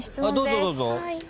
どうぞどうぞ。